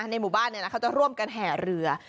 ในหมู่บ้านเขาจะร่วมกันแห่เรือ